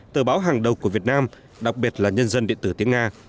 tờ báo hàng đầu của việt nam đặc biệt là nhân dân điện tử tiếng nga